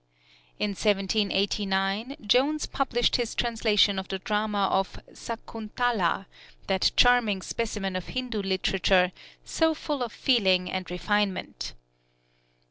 In 1789, Jones published his translation of the drama of S'akuntala, that charming specimen of Hindu literature, so full of feeling and refinement.